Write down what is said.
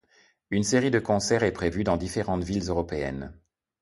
Une série de concert est prévue dans différentes villes européennes.